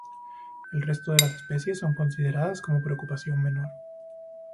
El resto de las especies son consideradas como preocupación menor.